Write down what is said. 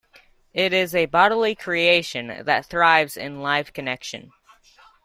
It is a bodily creation that thrives in live connection.